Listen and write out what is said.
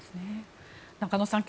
中野さん